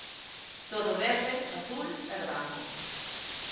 Todo verde, azul e branco.